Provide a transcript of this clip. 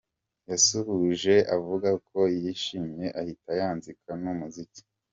Yabasuhuje avuga ko yishimye ahita yanzika n’umuziki.